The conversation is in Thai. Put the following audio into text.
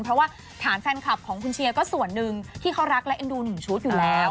เพราะว่าฟันคลับฝี๕๑๐๐ฝี๔นึงที่เขารักและเอ็นดูหนุ่มชุดอยู่แล้ว